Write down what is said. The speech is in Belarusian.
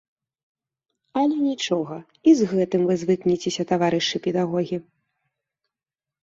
Але нічога, і з гэтым вы звыкніцеся, таварышы педагогі.